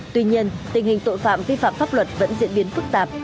tuy nhiên tình hình tội phạm vi phạm pháp luật vẫn diễn biến phức tạp